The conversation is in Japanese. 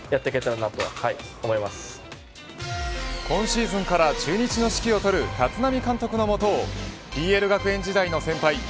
今シーズンから中日の指揮を執る立浪監督のもとをＰＬ学園時代の先輩